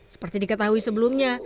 seperti diketahui sebelumnya